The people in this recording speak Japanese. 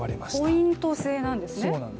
ポイント制なんですね。